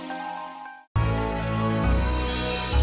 setelah pagi democrati dan pasangan